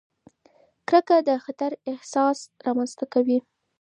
کرکه د خطر احساس رامنځته کوي.